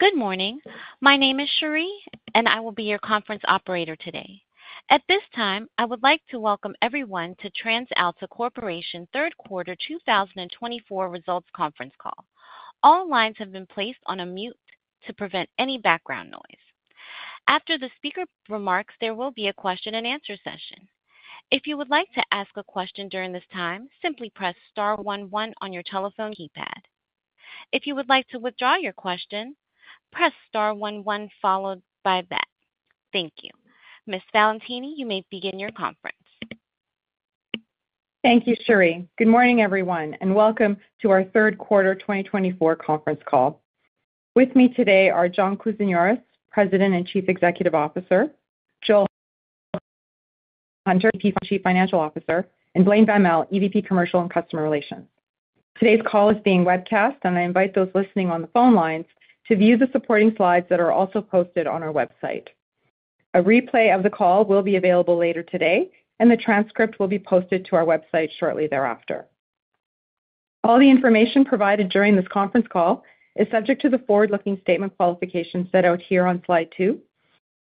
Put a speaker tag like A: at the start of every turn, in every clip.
A: Good morning. My name is Cherie, and I will be your conference operator today. At this time, I would like to welcome everyone to TransAlta Corporation's Q3 2024 Results Conference Call. All lines have been placed on mute to prevent any background noise. After the speaker remarks, there will be a Q&A session. If you would like to ask a question during this time, simply press star one one on your telephone keypad. If you would like to withdraw your question, press star one one followed by that. Thank you. Ms. Valentini, you may begin your conference.
B: Thank you, Cherie. Good morning, everyone, and welcome to our Q3 2024 conference call. With me today are John Kousinioris, President and Chief Executive Officer, Joel Hunter, Chief Financial Officer, and Blain Van Melle, EVP Commercial and Customer Relations. Today's call is being webcast, and I invite those listening on the phone lines to view the supporting slides that are also posted on our website. A replay of the call will be available later today, and the transcript will be posted to our website shortly thereafter. All the information provided during this conference call is subject to the forward-looking statement qualifications set out here on Slide 2,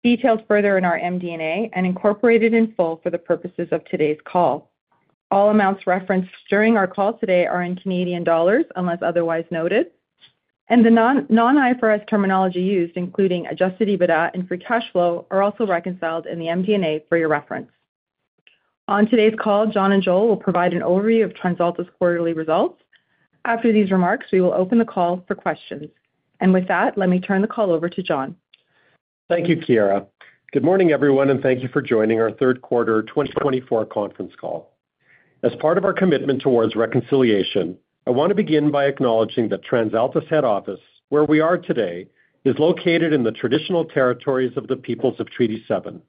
B: detailed further in our MD&A, and incorporated in full for the purposes of today's call. All amounts referenced during our call today are in Canadian dollars unless otherwise noted, and the non-IFRS terminology used, including Adjusted EBITDA and Free Cash Flow, are also reconciled in the MD&A for your reference. On today's call, John and Joel will provide an overview of TransAlta's quarterly results. After these remarks, we will open the call for questions. And with that, let me turn the call over to John.
C: Thank you, Chiara. Good morning, everyone, and thank you for joining our Q3 2024 conference call. As part of our commitment toward reconciliation, I want to begin by acknowledging that TransAlta's head office, where we are today, is located in the traditional territories of the Peoples of Treaty 7,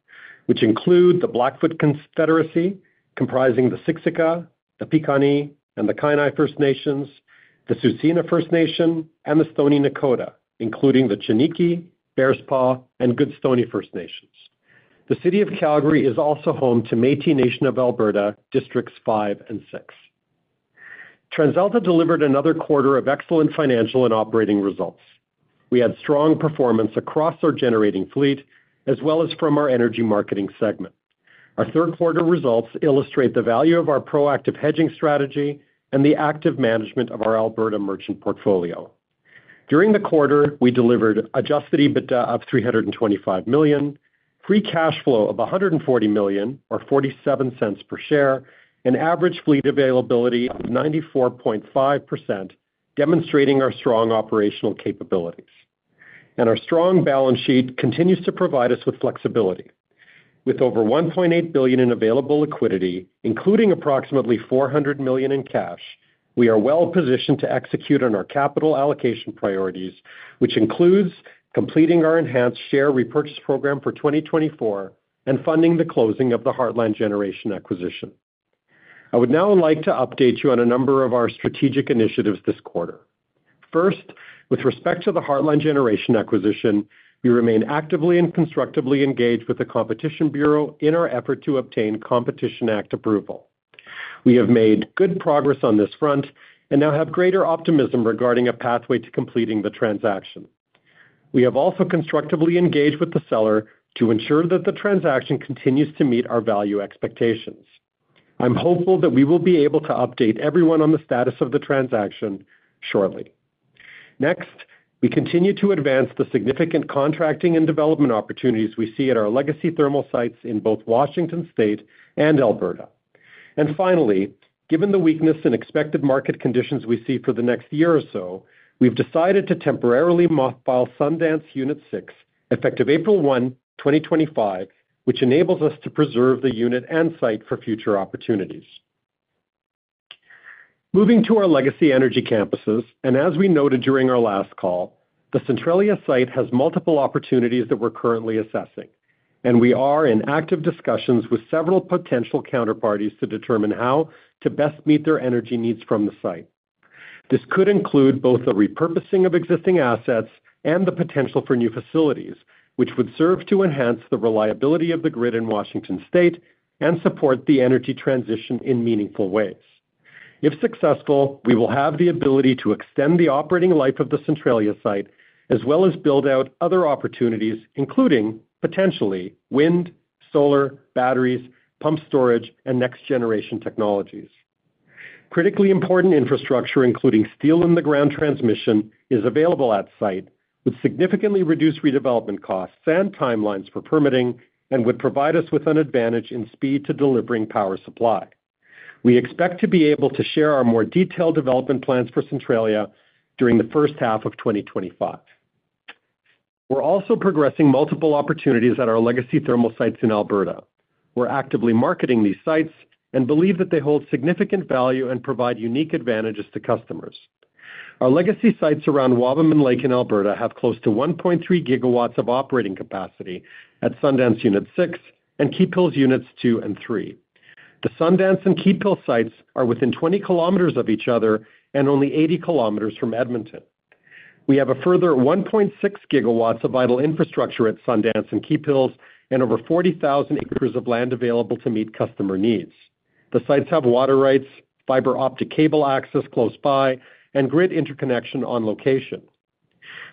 C: which include the Blackfoot Confederacy, comprising the Siksika, the Piikani and the Kainai First Nations, the Tsuut'ina First Nation, and the Stoney Nakota, including the Chiniki, Bearspaw, and Goodstoney First Nations. The City of Calgary is also home to Métis Nation of Alberta, Districts 5 and 6. TransAlta delivered another quarter of excellent financial and operating results. We had strong performance across our generating fleet, as well as from our energy marketing segment. Our Q3 results illustrate the value of our proactive hedging strategy and the active management of our Alberta merchant portfolio. During the quarter, we delivered Adjusted EBITDA of 325 million, Free Cash Flow of 140 million, or 0.47 per share, and average fleet availability of 94.5%, demonstrating our strong operational capabilities. Our strong balance sheet continues to provide us with flexibility. With over 1.8 billion in available liquidity, including approximately 400 million in cash, we are well positioned to execute on our capital allocation priorities, which includes completing our enhanced share repurchase program for 2024 and funding the closing of the Heartland Generation acquisition. I would now like to update you on a number of our strategic initiatives this quarter. First, with respect to the Heartland Generation acquisition, we remain actively and constructively engaged with the Competition Bureau in our effort to obtain Competition Act approval. We have made good progress on this front and now have greater optimism regarding a pathway to completing the transaction. We have also constructively engaged with the seller to ensure that the transaction continues to meet our value expectations. I'm hopeful that we will be able to update everyone on the status of the transaction shortly. Next, we continue to advance the significant contracting and development opportunities we see at our legacy thermal sites in both Washington State and Alberta. And finally, given the weakness in expected market conditions we see for the next year or so, we've decided to temporarily mothball Sundance Unit 6, effective April 1, 2025, which enables us to preserve the unit and site for future opportunities. Moving to our legacy energy campuses, and as we noted during our last call, the Centralia site has multiple opportunities that we're currently assessing, and we are in active discussions with several potential counterparties to determine how to best meet their energy needs from the site. This could include both the repurposing of existing assets and the potential for new facilities, which would serve to enhance the reliability of the grid in Washington State and support the energy transition in meaningful ways. If successful, we will have the ability to extend the operating life of the Centralia site, as well as build out other opportunities, including potentially wind, solar, batteries, pumped storage, and next-generation technologies. Critically important infrastructure, including steel-in-the-ground transmission, is available at the site. It would significantly reduce redevelopment costs and timelines for permitting, and would provide us with an advantage in speed to delivering power supply. We expect to be able to share our more detailed development plans for Centralia during the H1 of 2025. We're also progressing multiple opportunities at our legacy thermal sites in Alberta. We're actively marketing these sites and believe that they hold significant value and provide unique advantages to customers. Our legacy sites around Wabamun Lake in Alberta have close to 1.3 gigawatts of operating capacity at Sundance Unit 6 and Keephills Units 2 and 3. The Sundance and Keephills sites are within 20 kilometers of each other and only 80 kilometers from Edmonton. We have a further 1.6 gigawatts of vital infrastructure at Sundance and Keephills and over 40,000 acres of land available to meet customer needs. The sites have water rights, fiber optic cable access close by, and grid interconnection on location.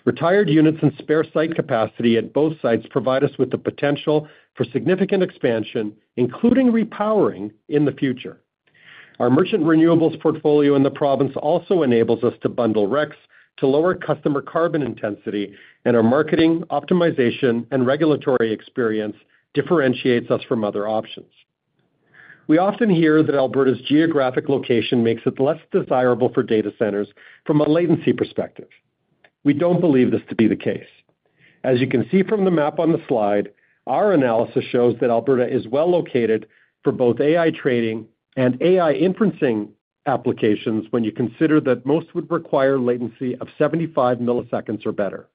C: Retired units and spare site capacity at both sites provide us with the potential for significant expansion, including repowering in the future. Our merchant renewables portfolio in the province also enables us to bundle RECs to lower customer carbon intensity, and our marketing, optimization, and regulatory experience differentiates us from other options. We often hear that Alberta's geographic location makes it less desirable for data centers from a latency perspective. We don't believe this to be the case. As you can see from the map on the slide, our analysis shows that Alberta is well located for both AI trading and AI inferencing applications when you consider that most would require latency of 75 milliseconds or better.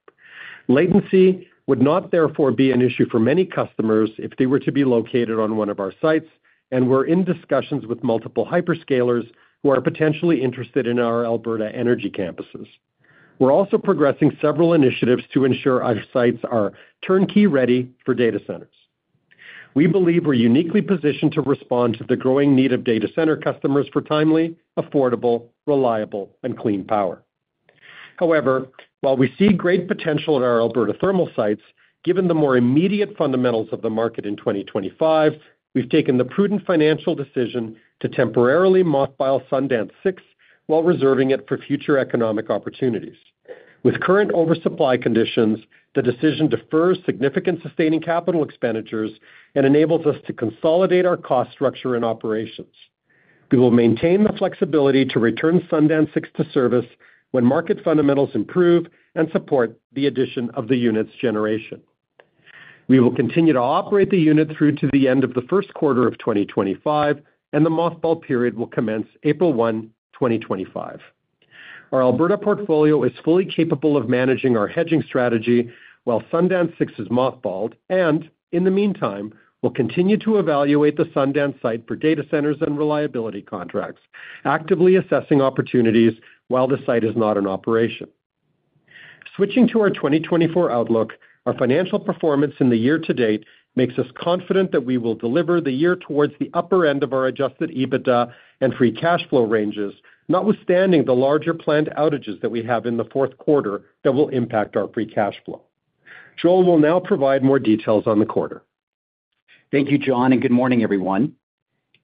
C: Latency would not therefore be an issue for many customers if they were to be located on one of our sites and were in discussions with multiple hyperscalers who are potentially interested in our Alberta energy campuses. We're also progressing several initiatives to ensure our sites are turnkey ready for data centers. We believe we're uniquely positioned to respond to the growing need of data center customers for timely, affordable, reliable, and clean power. However, while we see great potential at our Alberta thermal sites, given the more immediate fundamentals of the market in 2025, we've taken the prudent financial decision to temporarily mothball Sundance 6 while reserving it for future economic opportunities. With current oversupply conditions, the decision defers significant sustaining capital expenditures and enables us to consolidate our cost structure and operations. We will maintain the flexibility to return Sundance 6 to service when market fundamentals improve and support the addition of the unit's generation. We will continue to operate the unit through to the end of the Q1 of 2025, and the mothball period will commence April 1, 2025. Our Alberta portfolio is fully capable of managing our hedging strategy while Sundance 6 is mothballed, and in the meantime, we'll continue to evaluate the Sundance site for data centers and reliability contracts, actively assessing opportunities while the site is not in operation. Switching to our 2024 outlook, our financial performance in the year to date makes us confident that we will deliver the year towards the upper end of our Adjusted EBITDA and Free Cash Flow ranges, notwithstanding the larger planned outages that we have in the Q4 that will impact our Free Cash Flow. Joel will now provide more details on the quarter.
D: Thank you, John, and good morning, everyone.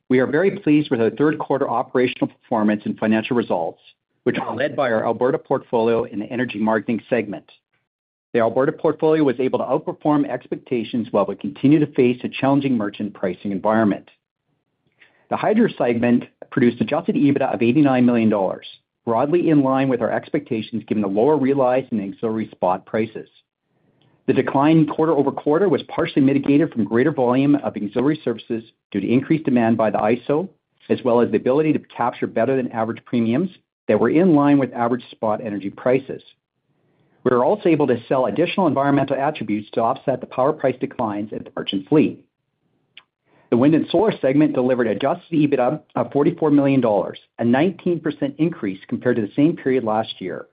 D: We are very pleased with our Q3 operational performance and financial results, which are led by our Alberta portfolio in the energy marketing segment. The Alberta portfolio was able to outperform expectations while we continue to face a challenging merchant pricing environment. The hydro segment produced Adjusted EBITDA of 89 million dollars, broadly in line with our expectations given the lower realized and anci spot prices. The decline quarter over quarter was partially mitigated from greater volume of ancillary services due to increased demand by the ISO, as well as the ability to capture better than average premiums that were in line with average spot energy prices. We were also able to sell additional environmental attributes to offset the power price declines in the merchant fleet. The wind and solar segment delivered Adjusted EBITDA of 44 million dollars, a 19% increase compared to the same period last year,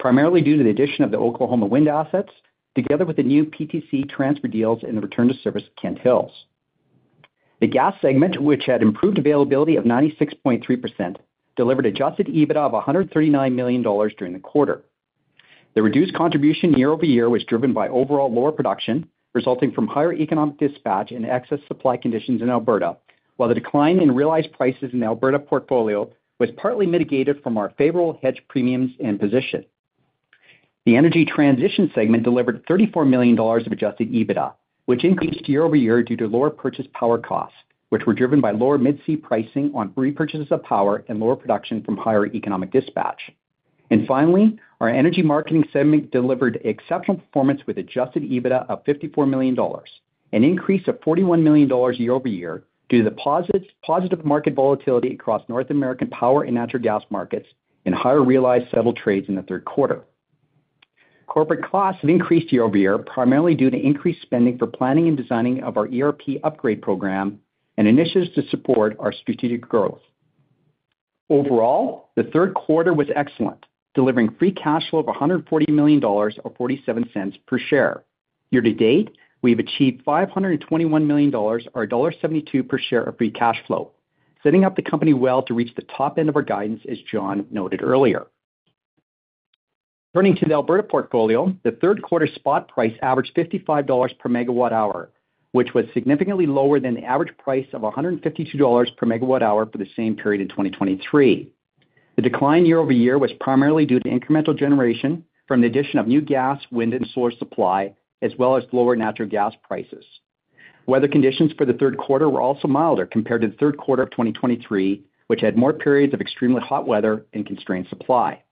D: primarily due to the addition of the Oklahoma wind assets, together with the new PTC transfer deals and the return to service at Kent Hills. The gas segment, which had improved availability of 96.3%, delivered Adjusted EBITDA of 139 million dollars during the quarter. The reduced contribution year over year was driven by overall lower production, resulting from higher economic dispatch and excess supply conditions in Alberta, while the decline in realized prices in the Alberta portfolio was partly mitigated from our favorable hedge premiums and position. The energy transition segment delivered 34 million dollars of Adjusted EBITDA, which increased year over year due to lower purchase power costs, which were driven by lower Mid-C pricing on repurchases of power and lower production from higher economic dispatch. Finally, our energy marketing segment delivered exceptional performance with Adjusted EBITDA of 54 million dollars, an increase of 41 million dollars year over year due to the positive market volatility across North American power and natural gas markets and higher realized settle trades in the Q3. Corporate costs have increased year over year, primarily due to increased spending for planning and designing of our ERP upgrade program and initiatives to support our strategic growth. Overall, the Q3 was excellent, delivering Free Cash Flow of 140 million dollars or 0.47 per share. Year to date, we've achieved 521 million dollars or dollar 1.72 per share of Free Cash Flow, setting up the company well to reach the top end of our guidance, as John noted earlier. Turning to the Alberta portfolio, the Q3 spot price averaged 55 dollars per megawatt hour, which was significantly lower than the average price of 152 dollars per megawatt hour for the same period in 2023. The decline year over year was primarily due to incremental generation from the addition of new gas, wind, and solar supply, as well as lower natural gas prices. Weather conditions for the Q3 were also milder compared to the Q3 of 2023, which had more periods of extremely hot weather and constrained supply.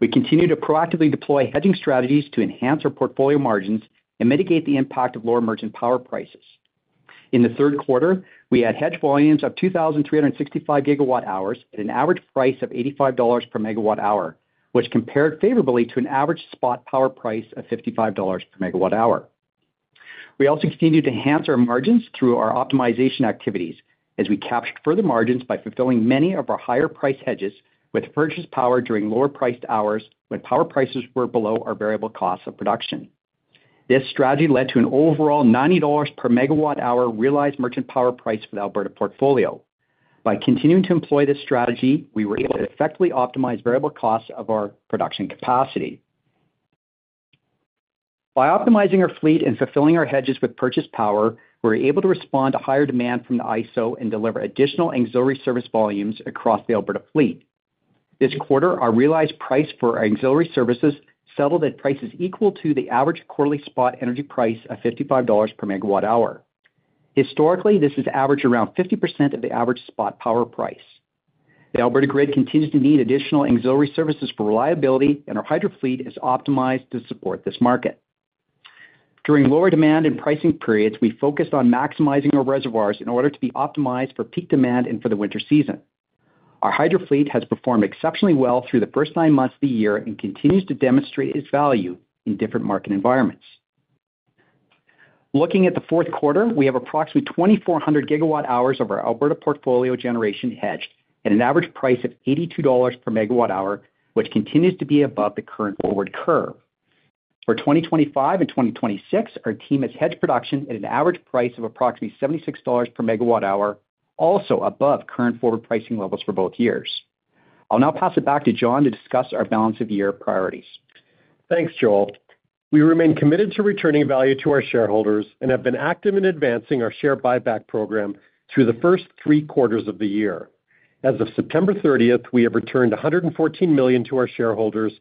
D: We continue to proactively deploy hedging strategies to enhance our portfolio margins and mitigate the impact of lower merchant power prices. In the Q3, we had hedge volumes of 2,365 gigawatt hours at an average price of 85 dollars per megawatt hour, which compared favorably to an average spot power price of 55 dollars per megawatt hour. We also continued to enhance our margins through our optimization activities, as we captured further margins by fulfilling many of our higher price hedges with purchase power during lower priced hours when power prices were below our variable costs of production. This strategy led to an overall 90 dollars per megawatt hour realized merchant power price for the Alberta portfolio. By continuing to employ this strategy, we were able to effectively optimize variable costs of our production capacity. By optimizing our fleet and fulfilling our hedges with purchase power, we were able to respond to higher demand from the ISO and deliver additional auxiliary service volumes across the Alberta fleet. This quarter, our realized price for auxiliary services settled at prices equal to the average quarterly spot energy price of 55 dollars per megawatt hour. Historically, this has averaged around 50% of the average spot power price. The Alberta grid continues to need additional auxiliary services for reliability, and our hydro fleet is optimized to support this market. During lower demand and pricing periods, we focused on maximizing our reservoirs in order to be optimized for peak demand and for the winter season. Our hydro fleet has performed exceptionally well through the first nine months of the year and continues to demonstrate its value in different market environments. Looking at the Q4, we have approximately 2,400 gigawatt hours of our Alberta portfolio generation hedged at an average price of 82 dollars per megawatt hour, which continues to be above the current forward curve. For 2025 and 2026, our team has hedged production at an average price of approximately 76 dollars per megawatt hour, also above current forward pricing levels for both years. I'll now pass it back to John to discuss our balance of year priorities.
C: Thanks, Joel. We remain committed to returning value to our shareholders and have been active in advancing our share buyback program through the first three quarters of the year. As of September 30th, we have returned 114 million to our shareholders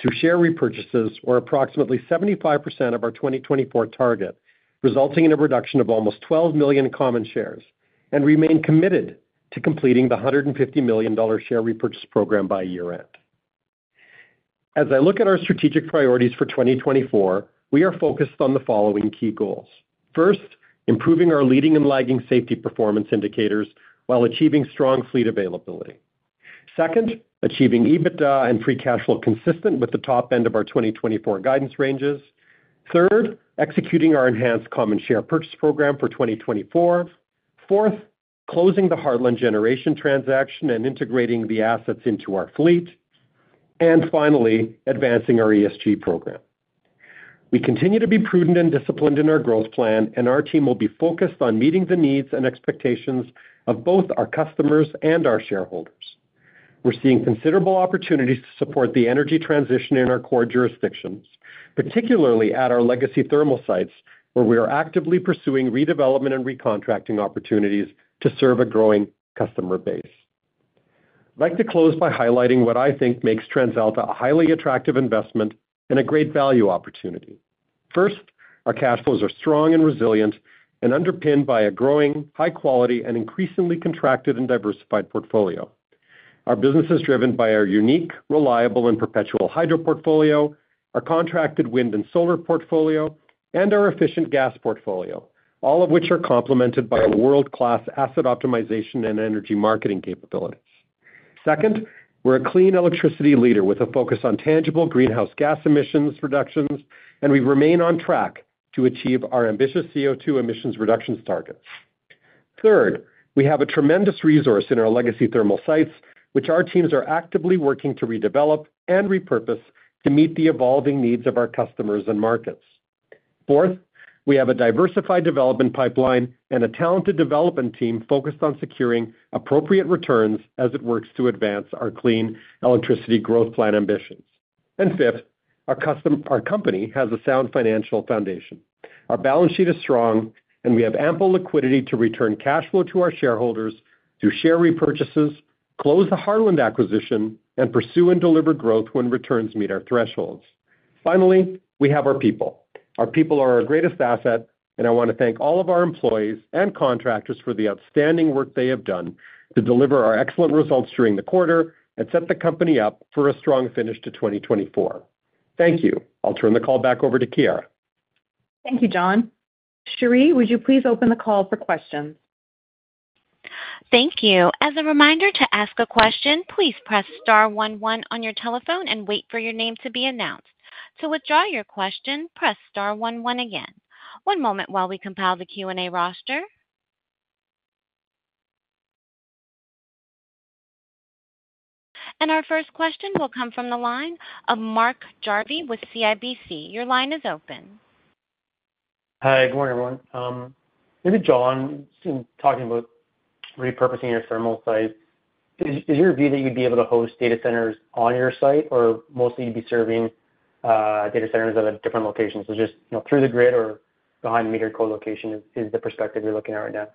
C: through share repurchases, or approximately 75% of our 2024 target, resulting in a reduction of almost 12 million common shares, and remain committed to completing the 150 million dollar share repurchase program by year-end. As I look at our strategic priorities for 2024, we are focused on the following key goals. First, improving our leading and lagging safety performance indicators while achieving strong fleet availability. Second, achieving EBITDA and free cash flow consistent with the top end of our 2024 guidance ranges. Third, executing our enhanced common share purchase program for 2024. Fourth, closing the Heartland Generation transaction and integrating the assets into our fleet. And finally, advancing our ESG program. We continue to be prudent and disciplined in our growth plan, and our team will be focused on meeting the needs and expectations of both our customers and our shareholders. We're seeing considerable opportunities to support the energy transition in our core jurisdictions, particularly at our legacy thermal sites, where we are actively pursuing redevelopment and recontracting opportunities to serve a growing customer base. I'd like to close by highlighting what I think makes TransAlta a highly attractive investment and a great value opportunity. First, our cash flows are strong and resilient and underpinned by a growing, high-quality, and increasingly contracted and diversified portfolio. Our business is driven by our unique, reliable, and perpetual hydro portfolio, our contracted wind and solar portfolio, and our efficient gas portfolio, all of which are complemented by world-class asset optimization and energy marketing capabilities. Second, we're a clean electricity leader with a focus on tangible greenhouse gas emissions reductions, and we remain on track to achieve our ambitious CO2 emissions reductions targets. Third, we have a tremendous resource in our legacy thermal sites, which our teams are actively working to redevelop and repurpose to meet the evolving needs of our customers and markets. Fourth, we have a diversified development pipeline and a talented development team focused on securing appropriate returns as it works to advance our Clean Electricity Growth Plan ambitions. And fifth, our company has a sound financial foundation. Our balance sheet is strong, and we have ample liquidity to return cash flow to our shareholders through share repurchases, close the Heartland acquisition, and pursue and deliver growth when returns meet our thresholds. Finally, we have our people. Our people are our greatest asset, and I want to thank all of our employees and contractors for the outstanding work they have done to deliver our excellent results during the quarter and set the company up for a strong finish to 2024. Thank you. I'll turn the call back over to Chiara.
B: Thank you, John. Cherie, would you please open the call for questions?
A: Thank you. As a reminder to ask a question, please press star 11 on your telephone and wait for your name to be announced. To withdraw your question, press star 11 again. One moment while we compile the Q&A roster, and our first question will come from the line of Mark Jarvey with CIBC. Your line is open.
E: Hi, good morning, everyone. Maybe John, talking about repurposing your thermal sites, is your view that you'd be able to host data centers on your site or mostly you'd be serving data centers at different locations? Is it just through the grid or behind metered co-location is the perspective you're looking at right now?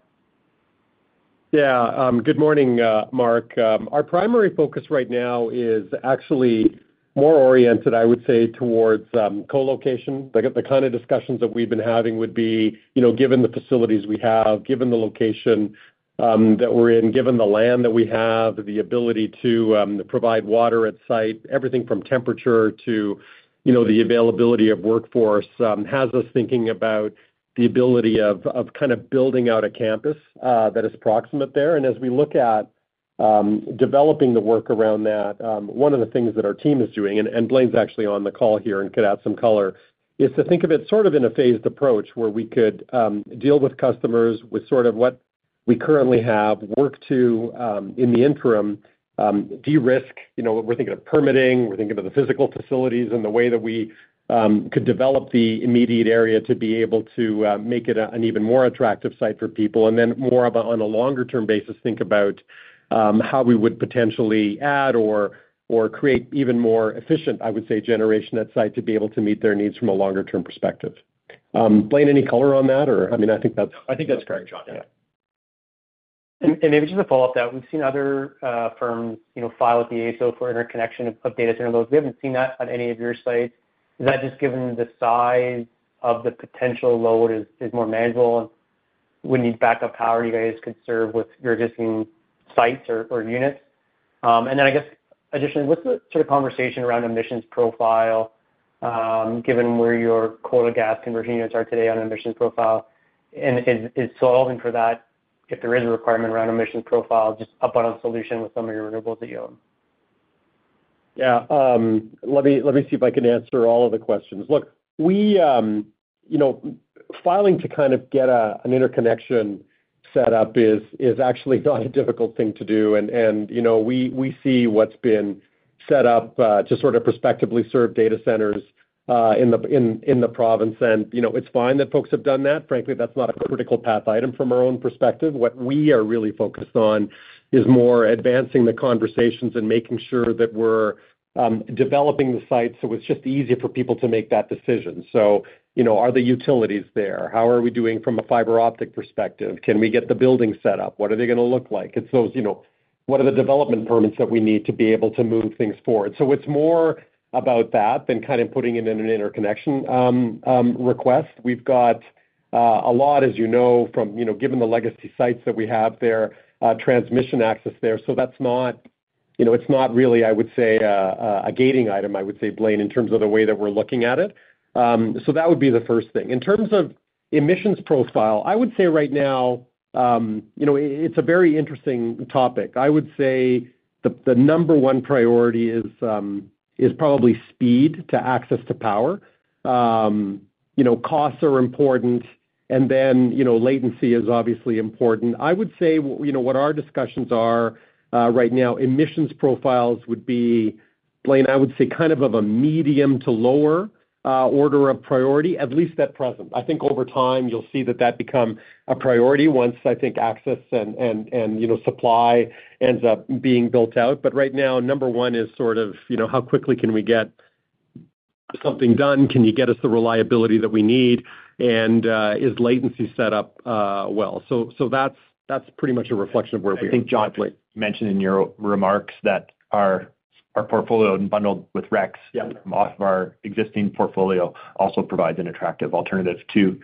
C: Good morning, Mark. Our primary focus right now is actually more oriented, I would say, towards co-location. The kind of discussions that we've been having would be, given the facilities we have, given the location that we're in, given the land that we have, the ability to provide water at site, everything from temperature to the availability of workforce, has us thinking about the ability of kind of building out a campus that is proximate there. And as we look at developing the work around that, one of the things that our team is doing, and Blain's actually on the call here and could add some color, is to think of it sort of in a phased approach where we could deal with customers with sort of what we currently have, work to, in the interim, de-risk. We're thinking of permitting, we're thinking of the physical facilities and the way that we could develop the immediate area to be able to make it an even more attractive site for people. And then more of a, on a longer-term basis, think about how we would potentially add or create even more efficient, I would say, generation at site to be able to meet their needs from a longer-term perspective. Blain, any color on that? Or, I mean, I think that's.I think that's correct, John.
E: And maybe just a follow-up to that, we've seen other firms file with the AESO for interconnection of data center loads. We haven't seen that at any of your sites. Is that just given the size of the potential load is more manageable and would need backup power you guys could serve with your existing sites or units? And then I guess, additionally, what's the sort of conversation around emissions profile, given where your coal to gas conversion units are today on emissions profile? And is solving for that, if there is a requirement around emissions profile, just but one solution with some of your renewables that you own?
C: Let me see if I can answer all of the questions. Look, filing to kind of get an interconnection set up is actually not a difficult thing to do. And we see what's been set up to sort of prospectively serve data centers in the province. And it's fine that folks have done that. Frankly, that's not a critical path item from our own perspective. What we are really focused on is more advancing the conversations and making sure that we're developing the sites so it's just easier for people to make that decision. So are the utilities there? How are we doing from a fiber optic perspective? Can we get the building set up? What are they going to look like? It's those, what are the development permits that we need to be able to move things forward? It's more about that than kind of putting in an interconnection request. We've got a lot, as you know, from given the legacy sites that we have there, transmission access there. That's not, it's not really, I would say, a gating item, I would say, Blain, in terms of the way that we're looking at it. That would be the first thing. In terms of emissions profile, I would say right now, it's a very interesting topic. I would say the number one priority is probably speed to access to power. Costs are important, and then latency is obviously important. I would say what our discussions are right now, emissions profiles would be, Blain, I would say kind of of a medium to lower order of priority, at least at present. I think over time, you'll see that that become a priority once, I think, access and supply ends up being built out. But right now, number one is sort of how quickly can we get something done? Can you get us the reliability that we need? And is latency set up well? So that's pretty much a reflection of where we are.
F: I think John mentioned in your remarks that our portfolio and bundled with RECs off of our existing portfolio also provides an attractive alternative to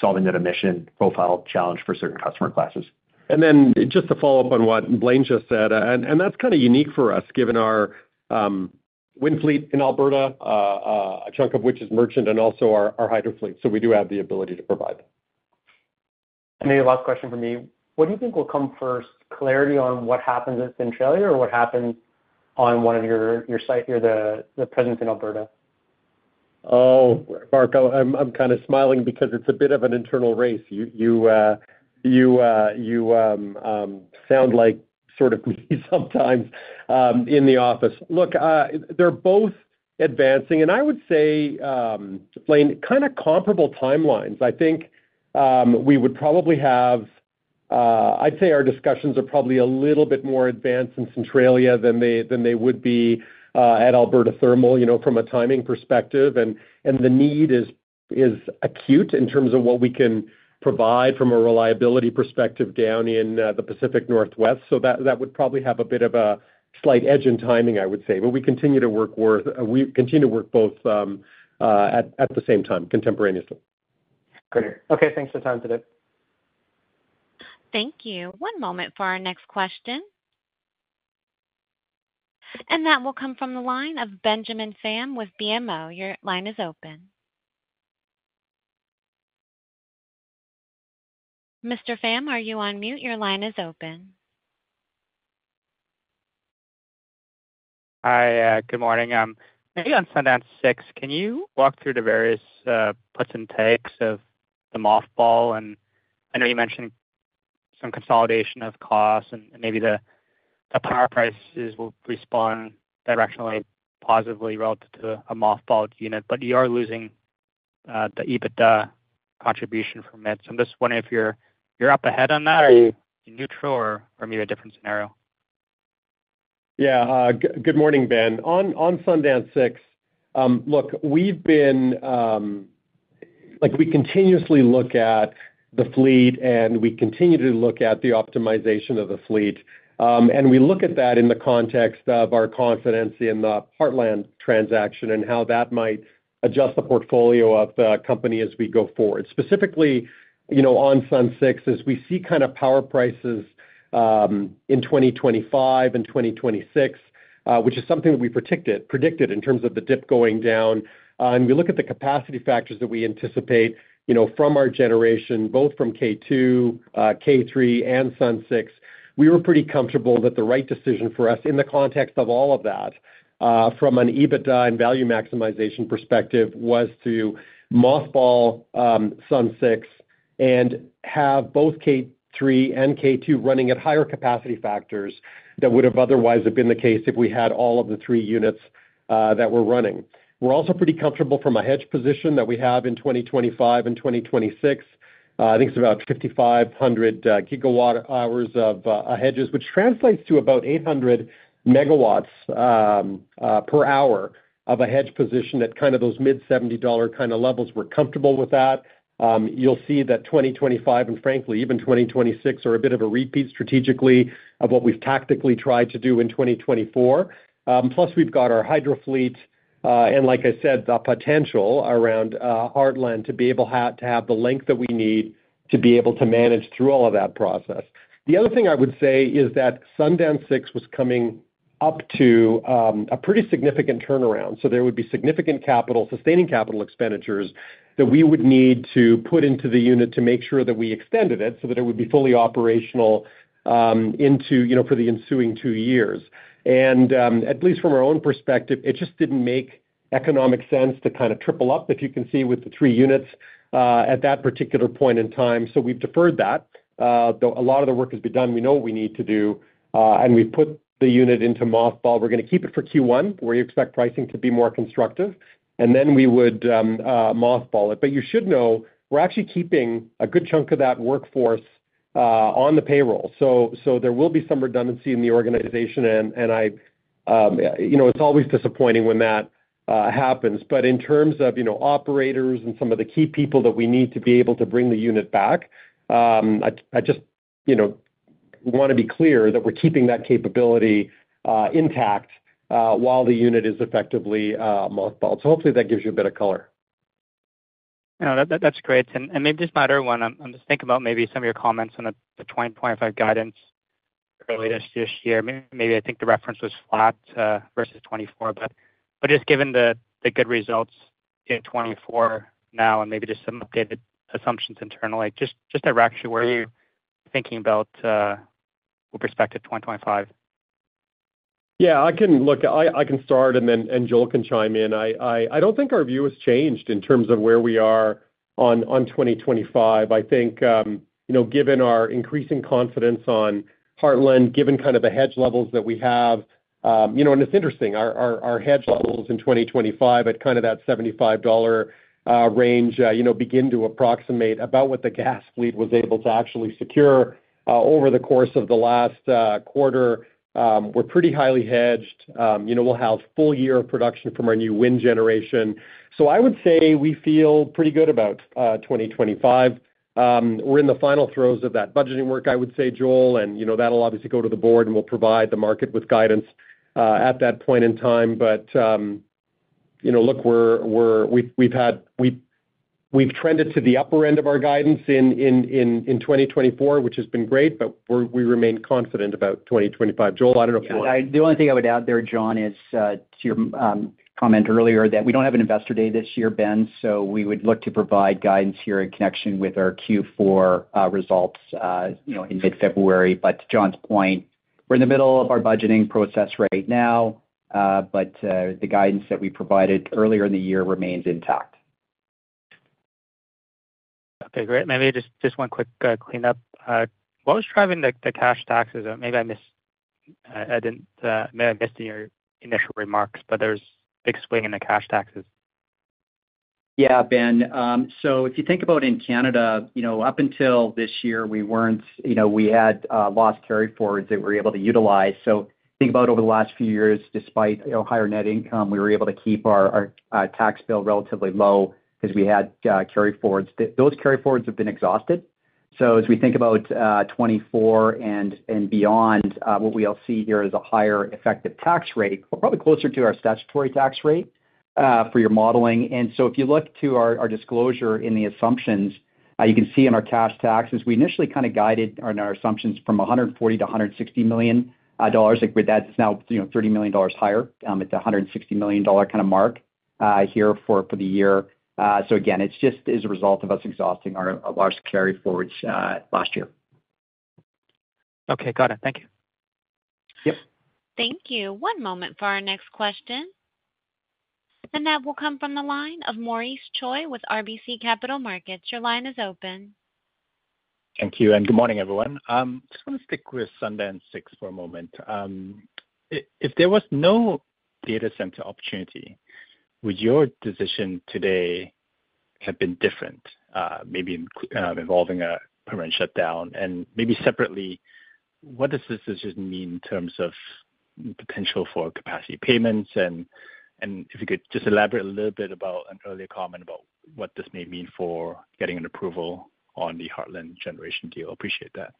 F: solving that emissions profile challenge for certain customer classes.
C: And then just to follow up on what Blain just said, and that's kind of unique for us, given our wind fleet in Alberta, a chunk of which is merchant, and also our hydro fleet. So we do have the ability to provide that.
E: The last question for me, what do you think will come first, clarity on what happens at Centralia or what happens on one of your sites or the presence in Alberta?
C: Oh, Mark, I'm kind of smiling because it's a bit of an internal race. You sound like sort of me sometimes in the office. Look, they're both advancing, and I would say, Blain, kind of comparable timelines. I think we would probably have, I'd say our discussions are probably a little bit more advanced in Centralia than they would be at Alberta Thermal from a timing perspective. And the need is acute in terms of what we can provide from a reliability perspective down in the Pacific Northwest. So that would probably have a bit of a slight edge in timing, I would say. But we continue to work both at the same time, contemporaneously.
E: Great. Okay, thanks for your time today.
A: Thank you. One moment for our next question. And that will come from the line of Benjamin Pham with BMO. Your line is open. Mr. Pham, are you on mute? Your line is open.
G: Hi, good morning. Maybe on Sundance 6, can you walk through the various puts and takes of the mothball? And I know you mentioned some consolidation of costs and maybe the power prices will respond directionally positively relative to a mothballed unit, but you are losing the EBITDA contribution from it. So I'm just wondering if you're up ahead on that or are you neutral or maybe a different scenario?
C: Good morning, Ben. On Sundance 6, look, we've been continuously looking at the fleet and we continue to look at the optimization of the fleet. And we look at that in the context of our confidence in the Heartland transaction and how that might adjust the portfolio of the company as we go forward. Specifically, on Sundance 6, as we see kind of power prices in 2025 and 2026, which is something that we predicted in terms of the dip going down, and we look at the capacity factors that we anticipate from our generation, both from K2, K3, and Sundance 6, we were pretty comfortable that the right decision for us in the context of all of that from an EBITDA and value maximization perspective was to mothball Sundance 6 and have both K3 and K2 running at higher capacity factors that would have otherwise been the case if we had all of the three units that were running. We're also pretty comfortable from a hedge position that we have in 2025 and 2026. I think it's about 5,500 gigawatt hours of hedges, which translates to about 800 megawatts per hour of a hedge position at kind of those mid-CAD 70 kind of levels. We're comfortable with that. You'll see that 2025 and frankly, even 2026 are a bit of a repeat strategically of what we've tactically tried to do in 2024. Plus, we've got our hydro fleet and, like I said, the potential around Heartland to be able to have the length that we need to be able to manage through all of that process. The other thing I would say is that Sundance 6 was coming up to a pretty significant turnaround. So there would be significant capital, sustaining capital expenditures that we would need to put into the unit to make sure that we extended it so that it would be fully operational for the ensuing two years. And at least from our own perspective, it just didn't make economic sense to kind of triple up, if you can see, with the three units at that particular point in time. So we've deferred that. A lot of the work has been done. We know what we need to do. And we've put the unit into mothball. We're going to keep it for Q1, where you expect pricing to be more constructive. And then we would mothball it. But you should know we're actually keeping a good chunk of that workforce on the payroll. So there will be some redundancy in the organization. And it's always disappointing when that happens. But in terms of operators and some of the key people that we need to be able to bring the unit back, I just want to be clear that we're keeping that capability intact while the unit is effectively mothballed. So hopefully that gives you a bit of color.
G: That's great. And maybe just my other one, I'm just thinking about maybe some of your comments on the 2025 guidance earlier this year. Maybe I think the reference was flat versus 2024, but just given the good results in 2024 now and maybe just some updated assumptions internally, just to wrap you where you're thinking about with respect to 2025?
C: I can look. I can start and then Joel can chime in. I don't think our view has changed in terms of where we are on 2025. I think given our increasing confidence on Heartland, given kind of the hedge levels that we have, and it's interesting, our hedge levels in 2025 at kind of that 75 dollar range begin to approximate about what the gas fleet was able to actually secure over the course of the last quarter. We're pretty highly hedged. We'll have full year of production from our new wind generation. So I would say we feel pretty good about 2025. We're in the final throes of that budgeting work, I would say, Joel, and that'll obviously go to the board and we'll provide the market with guidance at that point in time. But look, we've trended to the upper end of our guidance in 2024, which has been great, but we remain confident about 2025. Joel, I don't know if you want.
D: The only thing I would add there, John, is to your comment earlier that we don't have an investor day this year, Ben, so we would look to provide guidance here in connection with our Q4 results in mid-February. To John's point, we're in the middle of our budgeting process right now, but the guidance that we provided earlier in the year remains intact.
G: Okay, great. Maybe just one quick cleanup. What was driving the cash taxes? Maybe I missed your initial remarks, but there was a big swing in the cash taxes.
D: Ben. So if you think about in Canada, up until this year, we had loss carry forwards that we were able to utilize. So think about over the last few years, despite higher net income, we were able to keep our tax bill relatively low because we had carry forwards. Those carry forwards have been exhausted. So as we think about 2024 and beyond, what we'll see here is a higher effective tax rate, probably closer to our statutory tax rate for your modeling. And so if you look to our disclosure in the assumptions, you can see in our cash taxes, we initially kind of guided our assumptions from 140 million dollars to 160 million dollars. That's now 30 million dollars higher. It's a 160 million dollar kind of mark here for the year. So again, it's just as a result of us exhausting our large carry forwards last year.
G: Okay, got it. Thank you.
E: Yep.
A: Thank you. One moment for our next question, and that will come from the line of Maurice Choy with RBC Capital Markets. Your line is open.
H: Thank you and good morning, everyone. I just want to stick with Sundance 6 for a moment. If there was no data center opportunity, would your decision today have been different, maybe involving a permanent shutdown? And maybe separately, what does this decision mean in terms of potential for capacity payments? And if you could just elaborate a little bit about an earlier comment about what this may mean for getting an approval on the Heartland Generation deal. Appreciate that.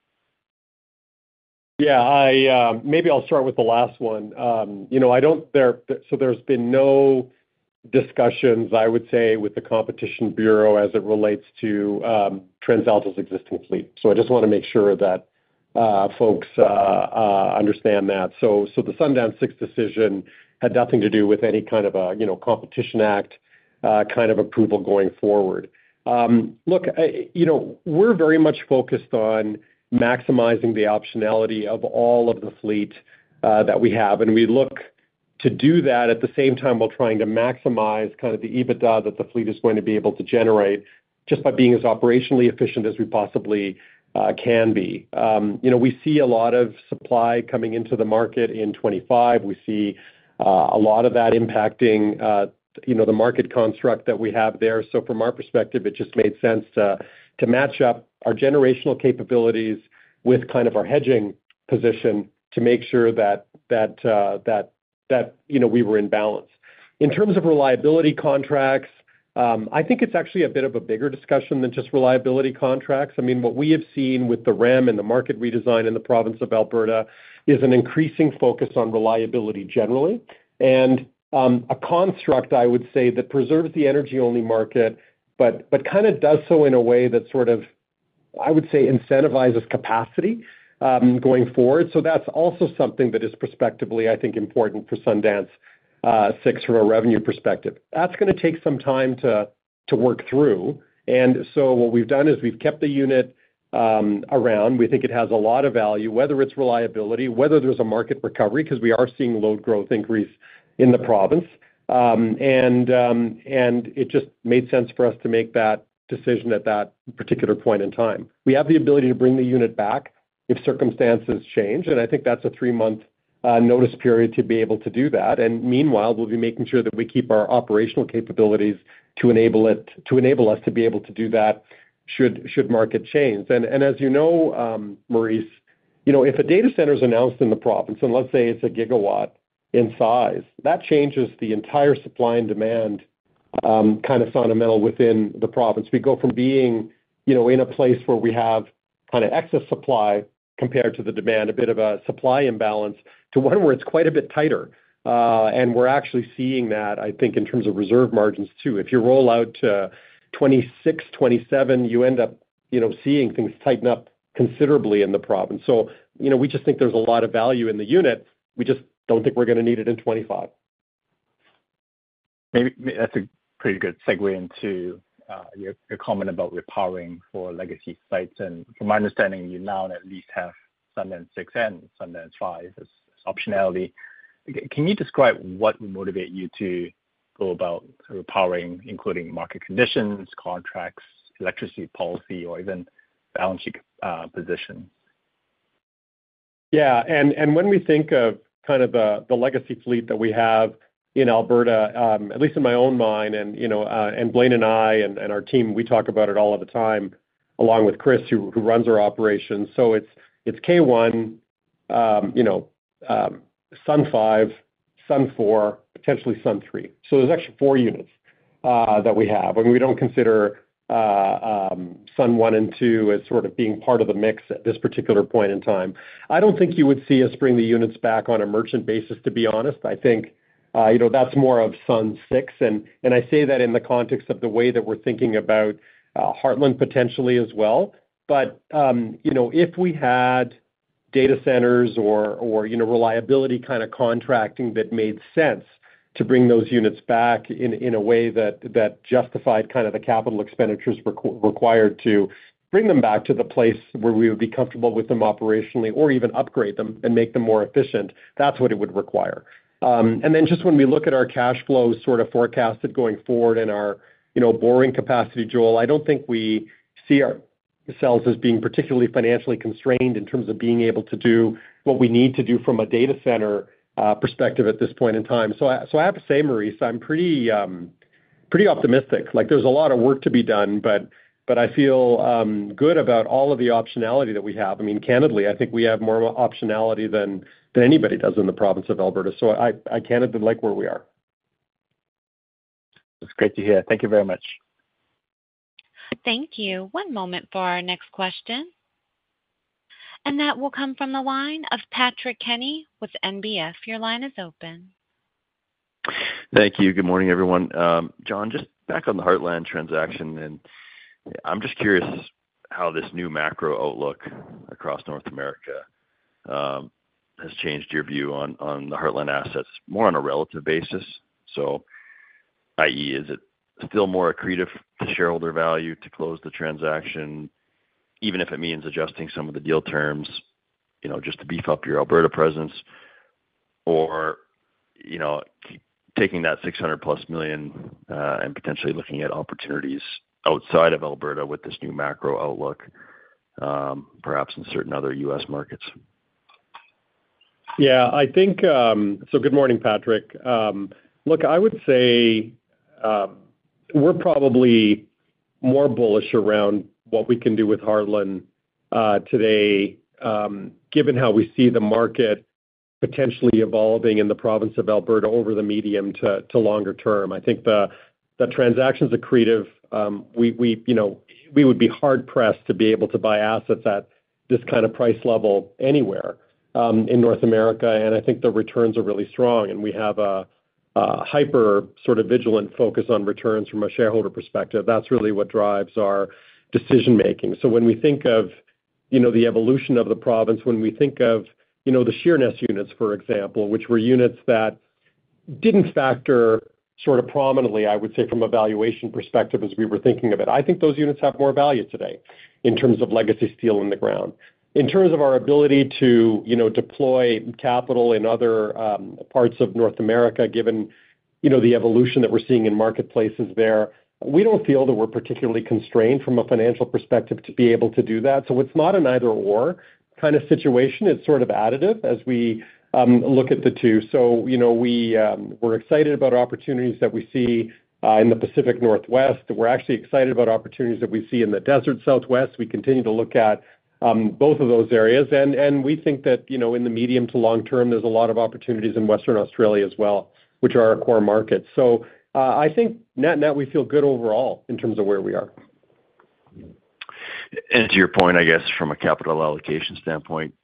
C: Maybe I'll start with the last one. So there's been no discussions, I would say, with the Competition Bureau as it relates to TransAlta's existing fleet. So I just want to make sure that folks understand that. So the Sundance 6 decision had nothing to do with any kind of a Competition Act kind of approval going forward. Look, we're very much focused on maximizing the optionality of all of the fleet that we have. And we look to do that at the same time while trying to maximize kind of the EBITDA that the fleet is going to be able to generate just by being as operationally efficient as we possibly can be. We see a lot of supply coming into the market in 2025. We see a lot of that impacting the market construct that we have there. From our perspective, it just made sense to match up our generational capabilities with kind of our hedging position to make sure that we were in balance. In terms of reliability contracts, I think it's actually a bit of a bigger discussion than just reliability contracts. I mean, what we have seen with the REM and the market redesign in the province of Alberta is an increasing focus on reliability generally. A construct, I would say, that preserves the energy-only market, but kind of does so in a way that sort of, I would say, incentivizes capacity going forward. That's also something that is prospectively, I think, important for Sundance 6 from a revenue perspective. That's going to take some time to work through. What we've done is we've kept the unit around. We think it has a lot of value, whether it's reliability, whether there's a market recovery, because we are seeing load growth increase in the province. And it just made sense for us to make that decision at that particular point in time. We have the ability to bring the unit back if circumstances change. And I think that's a three-month notice period to be able to do that. And meanwhile, we'll be making sure that we keep our operational capabilities to enable us to be able to do that should market change. And as you know, Maurice, if a data center is announced in the province, and let's say it's a gigawatt in size, that changes the entire supply and demand kind of fundamental within the province. We go from being in a place where we have kind of excess supply compared to the demand, a bit of a supply imbalance, to one where it's quite a bit tighter, and we're actually seeing that, I think, in terms of reserve margins too. If you roll out to 2026, 2027, you end up seeing things tighten up considerably in the province, so we just think there's a lot of value in the unit. We just don't think we're going to need it in 2025.
H: Maybe that's a pretty good segue into your comment about repowering for legacy sites. And from my understanding, you now at least have Sundance 6 and Sundance 5 as optionality. Can you describe what would motivate you to go about repowering, including market conditions, contracts, electricity policy, or even balance sheet positions?
C: And when we think of kind of the legacy fleet that we have in Alberta, at least in my own mind, and Blain and I and our team, we talk about it all of the time, along with Chris, who runs our operations. So it's K1, SUN 5, SUN 4, potentially SUN 3. So there's actually four units that we have. And we don't consider SUN 1 and 2 as sort of being part of the mix at this particular point in time. I don't think you would see us bring the units back on a merchant basis, to be honest. I think that's more of SUN 6. And I say that in the context of the way that we're thinking about Heartland potentially as well. But if we had data centers or reliability kind of contracting that made sense to bring those units back in a way that justified kind of the capital expenditures required to bring them back to the place where we would be comfortable with them operationally or even upgrade them and make them more efficient, that's what it would require. And then just when we look at our cash flows sort of forecasted going forward and our borrowing capacity, Joel, I don't think we see ourselves as being particularly financially constrained in terms of being able to do what we need to do from a data center perspective at this point in time. So I have to say, Maurice, I'm pretty optimistic. There's a lot of work to be done, but I feel good about all of the optionality that we have. I mean, candidly, I think we have more optionality than anybody does in the province of Alberta. So I candidly like where we are.
H: That's great to hear. Thank you very much.
A: Thank you. One moment for our next question. That will come from the line of Patrick Kenny with NBF. Your line is open.
I: Thank you. Good morning, everyone. John, just back on the Heartland transaction. And I'm just curious how this new macro outlook across North America has changed your view on the Heartland assets, more on a relative basis. So i.e., is it still more accretive to shareholder value to close the transaction, even if it means adjusting some of the deal terms just to beef up your Alberta presence, or taking that 600 million-plus and potentially looking at opportunities outside of Alberta with this new macro outlook, perhaps in certain other U.S. markets?
C: So good morning, Patrick. Look, I would say we're probably more bullish around what we can do with Heartland today, given how we see the market potentially evolving in the province of Alberta over the medium to longer term. I think the transaction's accretive. We would be hard-pressed to be able to buy assets at this kind of price level anywhere in North America. And I think the returns are really strong. And we have a hyper sort of vigilant focus on returns from a shareholder perspective. That's really what drives our decision-making. When we think of the evolution of the province, when we think of the Sheerness units, for example, which were units that didn't factor sort of prominently, I would say, from a valuation perspective as we were thinking of it, I think those units have more value today in terms of legacy steel in the ground. In terms of our ability to deploy capital in other parts of North America, given the evolution that we're seeing in marketplaces there, we don't feel that we're particularly constrained from a financial perspective to be able to do that. It's not an either/or kind of situation. It's sort of additive as we look at the two. We're excited about opportunities that we see in the Pacific Northwest. We're actually excited about opportunities that we see in the Desert Southwest. We continue to look at both of those areas. And we think that in the medium to long term, there's a lot of opportunities in Western Australia as well, which are our core markets. So I think we feel good overall in terms of where we are.
I: And to your point, I guess, from a capital allocation standpoint,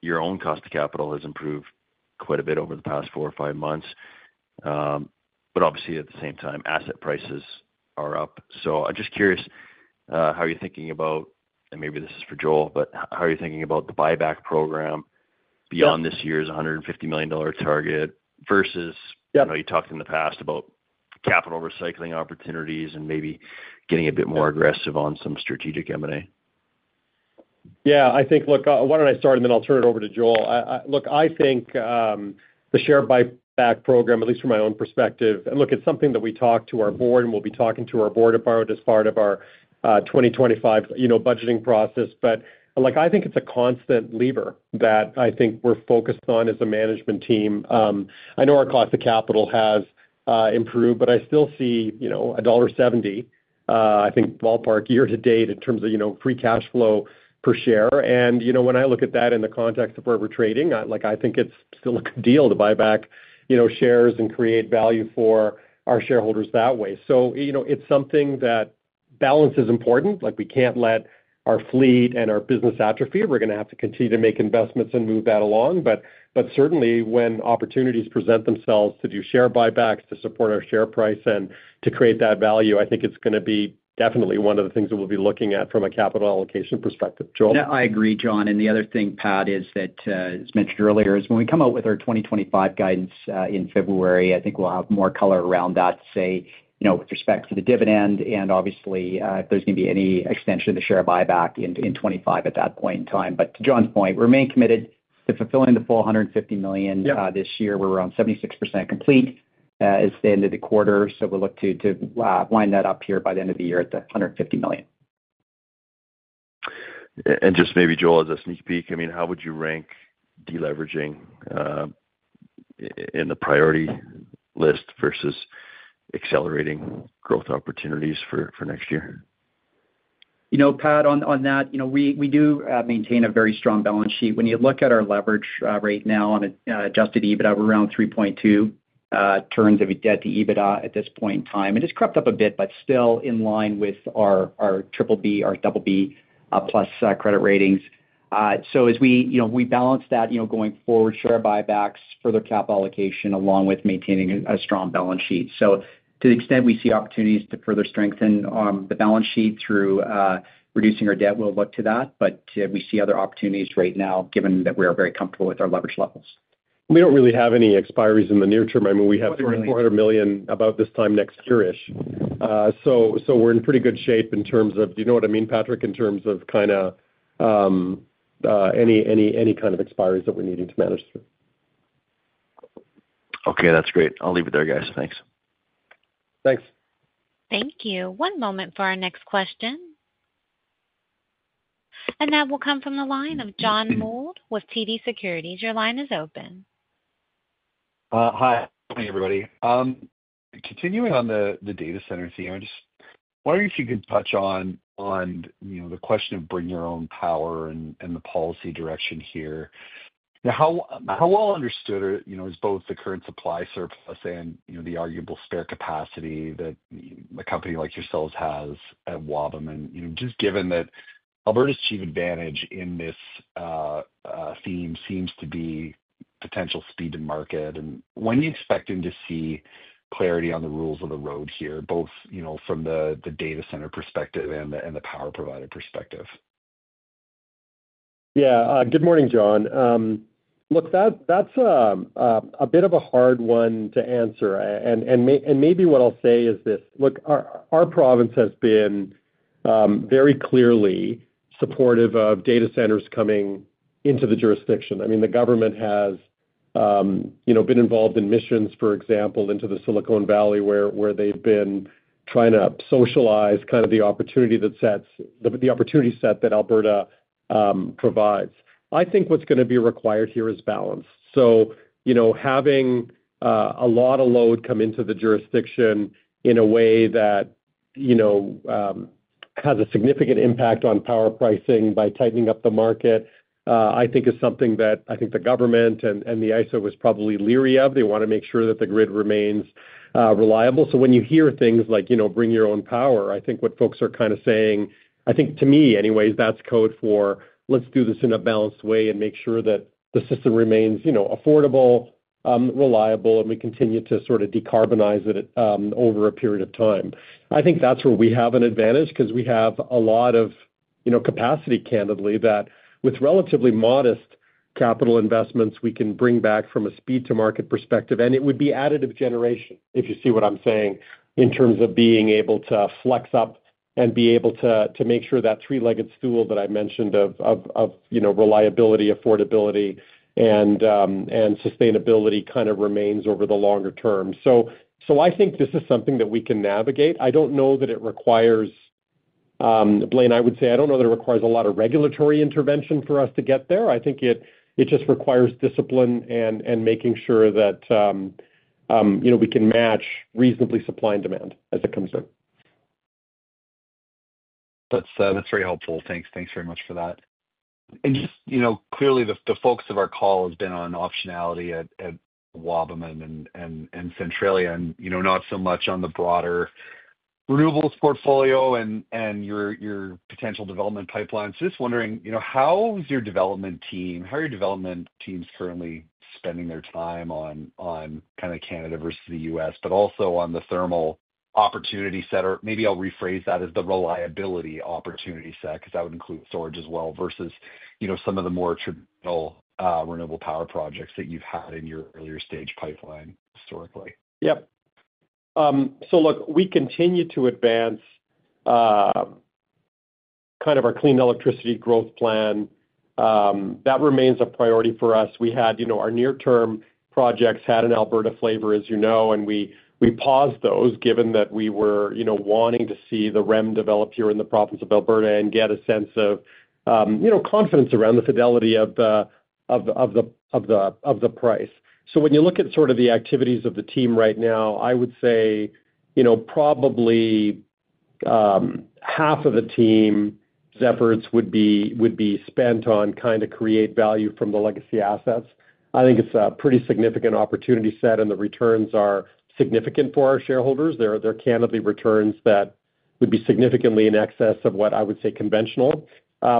I: your own cost of capital has improved quite a bit over the past four or five months. But obviously, at the same time, asset prices are up. So I'm just curious how you're thinking about, and maybe this is for Joel, but how are you thinking about the buyback program beyond this year's 150 million dollar target versus you talked in the past about capital recycling opportunities and maybe getting a bit more aggressive on some strategic M&A?
C: Look, why don't I start, and then I'll turn it over to Joel. Look, I think the share buyback program, at least from my own perspective, and look, it's something that we talk to our board, and we'll be talking to our board about it as part of our 2025 budgeting process. But I think it's a constant lever that I think we're focused on as a management team. I know our cost of capital has improved, but I still see dollar 1.70, I think, ballpark year to date in terms of free cash flow per share. And when I look at that in the context of where we're trading, I think it's still a good deal to buy back shares and create value for our shareholders that way. So it's something that balance is important. We can't let our fleet and our business atrophy. We're going to have to continue to make investments and move that along. But certainly, when opportunities present themselves to do share buybacks to support our share price and to create that value, I think it's going to be definitely one of the things that we'll be looking at from a capital allocation perspective, Joel.
D: I agree, John. And the other thing, Pat, is that, as mentioned earlier, is when we come out with our 2025 guidance in February, I think we'll have more color around that, say, with respect to the dividend and obviously if there's going to be any extension of the share buyback in 2025 at that point in time. But to John's point, we remain committed to fulfilling the full 150 million this year. We're around 76% complete at the end of the quarter. So we'll look to wind that up here by the end of the year at the 150 million.
I: Just maybe, Joel, as a sneak peek, I mean, how would you rank deleveraging in the priority list versus accelerating growth opportunities for next year?
D: Pat, on that, we do maintain a very strong balance sheet. When you look at our leverage right now on Adjusted EBITDA, we're around 3.2 turns of debt to EBITDA at this point in time. It has crept up a bit, but still in line with our BBB, our BB + credit ratings. So as we balance that going forward, share buybacks, further capital allocation, along with maintaining a strong balance sheet. So to the extent we see opportunities to further strengthen the balance sheet through reducing our debt, we'll look to that. But we see other opportunities right now, given that we are very comfortable with our leverage levels.
C: We don't really have any expiries in the near term. I mean, we have 400 million about this time next year-ish. So we're in pretty good shape in terms of, do you know what I mean, Patrick, in terms of kind of any kind of expiries that we're needing to manage through.
I: Okay, that's great. I'll leave it there, guys. Thanks.
C: Thanks.
A: Thank you. One moment for our next question, and that will come from the line of John Mould with TD Securities. Your line is open.
J: Hi, everybody. Continuing on the data center theme, I just wonder if you could touch on the question of bring your own power and the policy direction here. How well understood is both the current supply surplus and the arguable spare capacity that a company like yourselves has at Wabamun? And just given that Alberta's chief advantage in this theme seems to be potential speed to market, and when do you expect them to see clarity on the rules of the road here, both from the data center perspective and the power provider perspective?
C: Good morning, John. Look, that's a bit of a hard one to answer. And maybe what I'll say is this: look, our province has been very clearly supportive of data centers coming into the jurisdiction. I mean, the government has been involved in missions, for example, into the Silicon Valley, where they've been trying to socialize kind of the opportunity that sets the opportunity set that Alberta provides. I think what's going to be required here is balance. So having a lot of load come into the jurisdiction in a way that has a significant impact on power pricing by tightening up the market, I think, is something that I think the government and the ISO was probably leery of. They want to make sure that the grid remains reliable. So when you hear things like bring your own power, I think what folks are kind of saying, I think to me anyways, that's code for, "Let's do this in a balanced way and make sure that the system remains affordable, reliable, and we continue to sort of decarbonize it over a period of time." I think that's where we have an advantage because we have a lot of capacity, candidly, that with relatively modest capital investments, we can bring back from a speed-to-market perspective. And it would be additive generation, if you see what I'm saying, in terms of being able to flex up and be able to make sure that three-legged stool that I mentioned of reliability, affordability, and sustainability kind of remains over the longer term. So I think this is something that we can navigate. I don't know that it requires Blain, I would say, I don't know that it requires a lot of regulatory intervention for us to get there. I think it just requires discipline and making sure that we can match reasonably supply and demand as it comes in.
J: That's very helpful. Thanks. Thanks very much for that. And just clearly, the focus of our call has been on optionality at Wabamun and Centralia, and not so much on the broader renewables portfolio and your potential development pipeline. So just wondering, how is your development team? How are your development teams currently spending their time on kind of Canada versus the U.S., but also on the thermal opportunity set? Or maybe I'll rephrase that as the reliability opportunity set because that would include storage as well versus some of the more traditional renewable power projects that you've had in your earlier stage pipeline historically.
C: Yep. So look, we continue to advance kind of our clean electricity growth plan. That remains a priority for us. Our near-term projects had an Alberta flavor, as you know, and we paused those given that we were wanting to see the REM develop here in the province of Alberta and get a sense of confidence around the fidelity of the price. So when you look at sort of the activities of the team right now, I would say probably half of the team's efforts would be spent on kind of creating value from the legacy assets. I think it's a pretty significant opportunity set, and the returns are significant for our shareholders. They're candidly returns that would be significantly in excess of what I would say conventional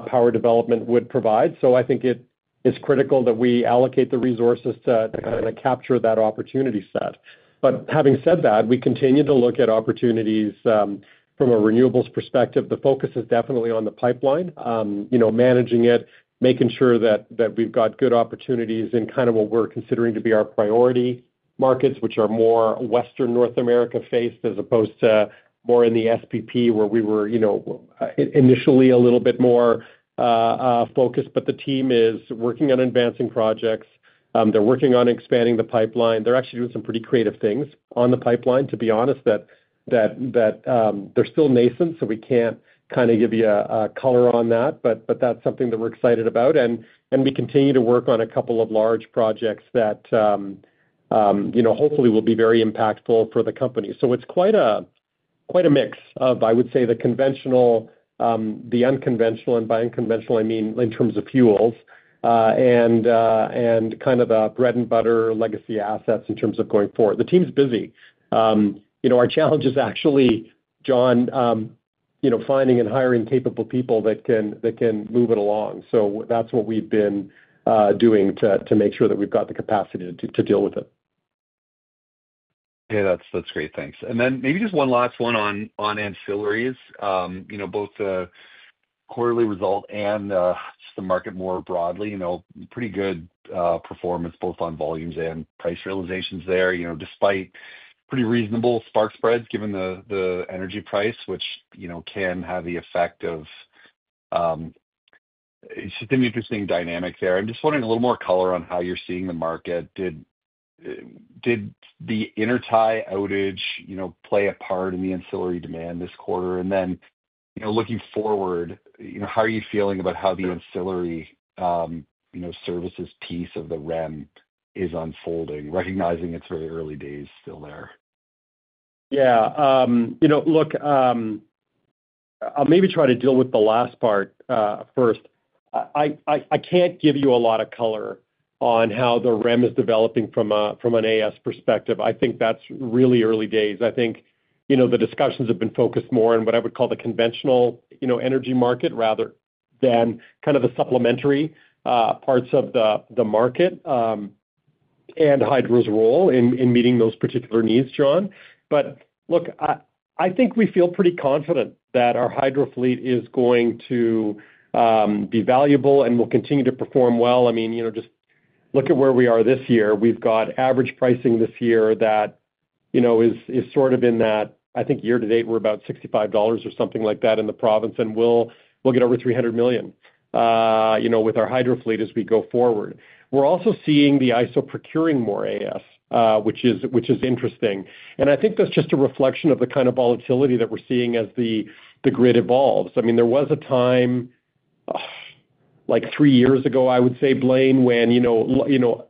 C: power development would provide. So I think it's critical that we allocate the resources to kind of capture that opportunity set. But having said that, we continue to look at opportunities from a renewables perspective. The focus is definitely on the pipeline, managing it, making sure that we've got good opportunities in kind of what we're considering to be our priority markets, which are more Western North America faced as opposed to more in the SPP where we were initially a little bit more focused. But the team is working on advancing projects. They're working on expanding the pipeline. They're actually doing some pretty creative things on the pipeline, to be honest, that they're still nascent, so we can't kind of give you a color on that. But that's something that we're excited about. And we continue to work on a couple of large projects that hopefully will be very impactful for the company. So it's quite a mix of, I would say, the unconventional, and by unconventional, I mean in terms of fuels and kind of the bread-and-butter legacy assets in terms of going forward. The team's busy. Our challenge is actually, John, finding and hiring capable people that can move it along. So that's what we've been doing to make sure that we've got the capacity to deal with it.
J: That's great. Thanks. And then maybe just one last one on ancillaries, both the quarterly result and just the market more broadly. Pretty good performance both on volumes and price realizations there, despite pretty reasonable spark spreads given the energy price, which can have the effect of just an interesting dynamic there. I'm just wondering a little more color on how you're seeing the market. Did the intertie outage play a part in the ancillary demand this quarter? And then looking forward, how are you feeling about how the ancillary services piece of the REM is unfolding, recognizing it's very early days still there?
C: Look, I'll maybe try to deal with the last part first. I can't give you a lot of color on how the REM is developing from an AS perspective. I think that's really early days. I think the discussions have been focused more on what I would call the conventional energy market rather than kind of the supplementary parts of the market and hydro's role in meeting those particular needs, John. But look, I think we feel pretty confident that our hydro fleet is going to be valuable and will continue to perform well. I mean, just look at where we are this year. We've got average pricing this year that is sort of in that, I think year to date, we're about 65 dollars or something like that in the province, and we'll get over 300 million with our hydro fleet as we go forward. We're also seeing the ISO procuring more AS, which is interesting. And I think that's just a reflection of the kind of volatility that we're seeing as the grid evolves. I mean, there was a time like three years ago, I would say, Blain, when the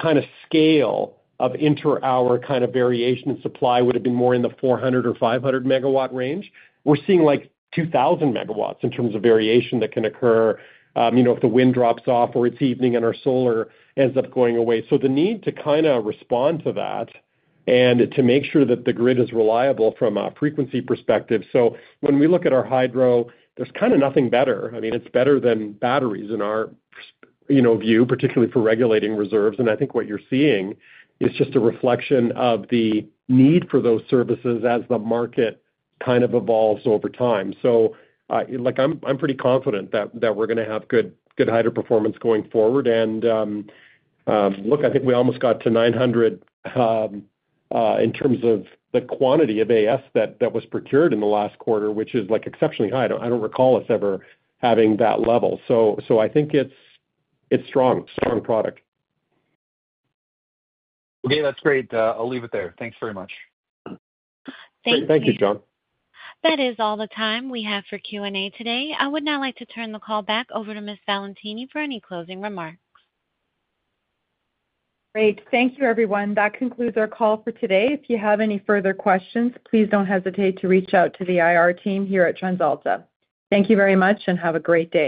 C: kind of scale of inter-hour kind of variation in supply would have been more in the 400 or 500 megawatt range. We're seeing like 2,000 megawatts in terms of variation that can occur if the wind drops off or it's evening and our solar ends up going away. So the need to kind of respond to that and to make sure that the grid is reliable from a frequency perspective. So when we look at our hydro, there's kind of nothing better. I mean, it's better than batteries in our view, particularly for regulating reserves. And I think what you're seeing is just a reflection of the need for those services as the market kind of evolves over time. So I'm pretty confident that we're going to have good hydro performance going forward. And look, I think we almost got to 900 in terms of the quantity of AS that was procured in the last quarter, which is exceptionally high. I don't recall us ever having that level. So I think it's strong, strong product.
J: Okay, that's great. I'll leave it there. Thanks very much.
A: Thank you.
C: Thank you, John.
A: That is all the time we have for Q&A today. I would now like to turn the call back over to Ms. Valentini for any closing remarks.
B: Great. Thank you, everyone. That concludes our call for today. If you have any further questions, please don't hesitate to reach out to the IR team here at TransAlta. Thank you very much and have a great day.